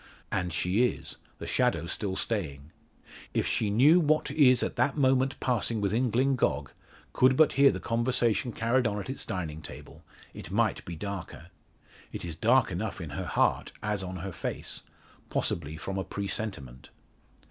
And she is; the shadow still staying. If she knew what is at that moment passing within Glyngog could but hear the conversation carried on at its dining table it might be darker. It is dark enough in her heart, as on her face possibly from a presentiment.